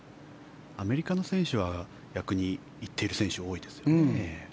アメリカの選手は逆に行っている選手が多いですよね。